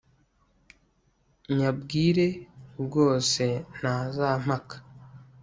Nyabwire bwose ntazampaka